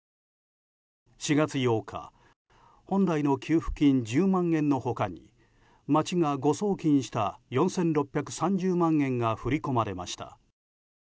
４月８日、本来の給付金１０万円の他に町が誤送金した４６３０万円が振り込まれました。